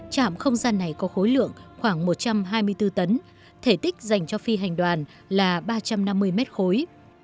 trạm không gian này có khối lượng khoảng một trăm hai mươi bốn tấn thể tích dành cho phi hành đoàn là ba trăm năm mươi mét khối